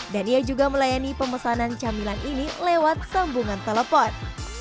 dan ia juga melayani pemesanan camilan ini lewat sambungan telepon